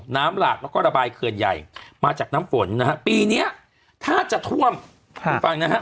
หลากแล้วก็ระบายเขื่อนใหญ่มาจากน้ำฝนนะฮะปีเนี้ยถ้าจะท่วมคุณฟังนะฮะ